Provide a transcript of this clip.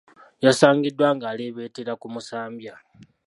Yasangiddwa ng’alebeetera ku musambya.